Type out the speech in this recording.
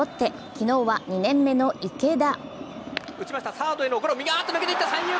昨日は２年目の池田。